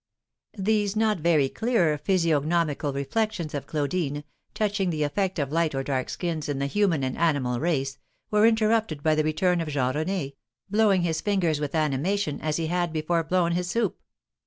These not very clear physiognomical reflections of Claudine, touching the effect of light or dark skins in the human and animal race, were interrupted by the return of Jean René, blowing his fingers with animation as he had before blown his soup.